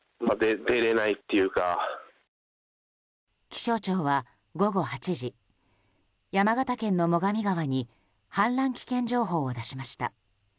気象庁は午後８時山形県の最上川に氾濫危険情報を出しました。